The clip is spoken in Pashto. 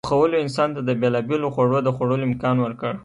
پخولو انسان ته د بېلابېلو خوړو د خوړلو امکان ورکړ.